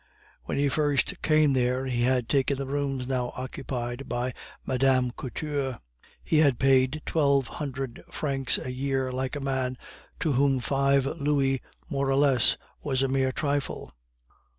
When he first came there he had taken the rooms now occupied by Mme. Couture; he had paid twelve hundred francs a year like a man to whom five louis more or less was a mere trifle.